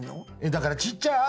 だからちっちゃい「あ」